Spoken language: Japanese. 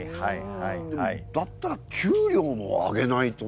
でもだったら給料も上げないとね。